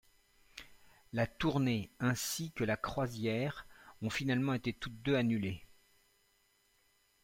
La tournée, ainsi que la croisière ont finalement été toutes deux annulées.